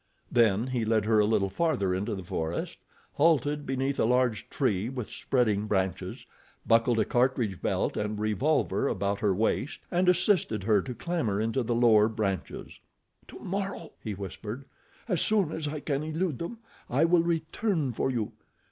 Then he led her a little farther into the forest, halted beneath a large tree with spreading branches, buckled a cartridge belt and revolver about her waist, and assisted her to clamber into the lower branches. "Tomorrow," he whispered, "as soon as I can elude them, I will return for you.